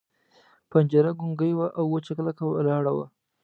پنجره ګونګۍ وه او وچه کلکه ولاړه وه.